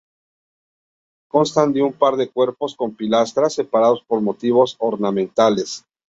Constan de un par de cuerpos con pilastras, separados por motivos ornamentales.